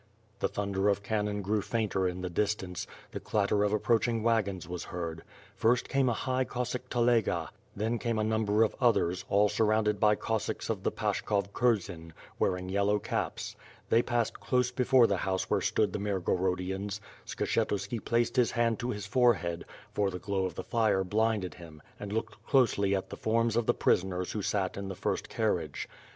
The thunder of cannon grew fainter in the distance, the clatter of approaching wagons was heard. First came a high Cossack telega, then came a number of others, all surrounded by Cossacks of the Pashkov kurzen, wearing yellow caps. They passed close })efore the house where stood the Mirgo rodians. Skshetuski placed his hand to his forehead, for the glow of the fire blinded him and looked closely at the forms of the prisoners who sat in the first carriage.